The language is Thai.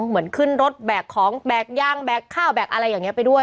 เหมือนขึ้นรถแบกของแบกย่างแบกข้าวแบกอะไรอย่างนี้ไปด้วย